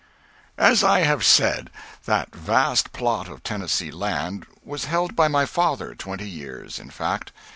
As I have said, that vast plot of Tennessee land was held by my father twenty years intact.